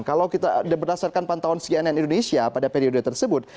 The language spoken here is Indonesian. kalau kita berdasarkan pantauan cnn indonesia pada periode tersebut